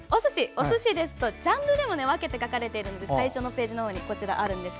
おすしですとジャンルでも分かれているので最初のページの方にあるんです。